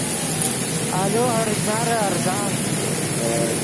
آلو ہر اشنارے ارزان